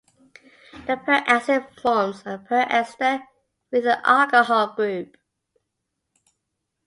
The per-acid forms a per-ester with the alcohol group.